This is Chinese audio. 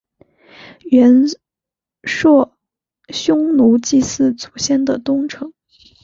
元朔匈奴祭祀祖先的龙城。